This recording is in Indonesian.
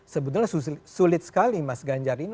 sebetulnya sulit sekali mas ganjar ini